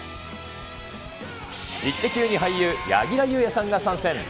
イッテＱ！に俳優、柳楽優弥さんが参戦。